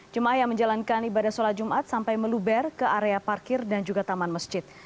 jemaah yang menjalankan ibadah sholat jumat sampai meluber ke area parkir dan juga taman masjid